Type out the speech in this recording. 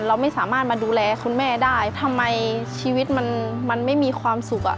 เราไม่สามารถมาดูแลคุณแม่ได้ทำไมชีวิตมันมันไม่มีความสุขอ่ะ